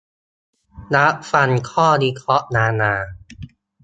"รับฟังข้อวิเคราะห์นานา"